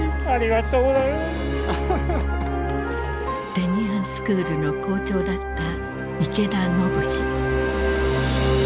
テニアンスクールの校長だった池田信治。